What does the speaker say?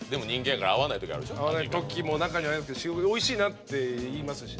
合わない時も中にはありますけど「おいしいな」って言いますしね。